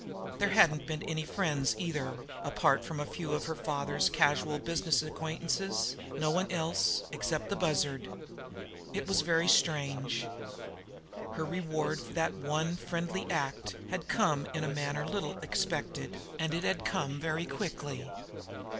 There hadn't been any friends either, apart from a few of her father's casual business acquaintances; no one else except the Bussard. It was very strange! Her reward for that one friendly act had come in a manner little expected, and it had come very quickly.